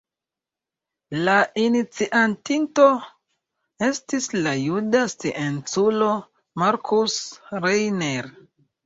La iniciatinto estis la juda scienculo Markus Reiner.